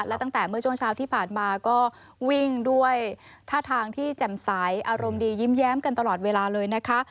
และตั้งแต่เมื่อช่วงเช้าที่ผ่านมาก็วิ่งด้วยท่าทางที่แจ่มใสอารมณ์ดียิ้มแย้มกันตลอดเวลาเลยนะคะ